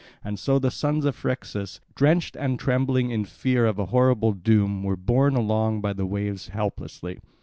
And so the sons of Phrixus, drenched and trembling in fear of a horrible doom, were borne along by the waves helplessly.